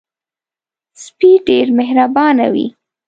سپي ډېر مهربانه وي.